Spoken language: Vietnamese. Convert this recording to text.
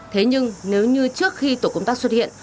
thế nhưng nếu như trước khi tổ công tác xuất hiện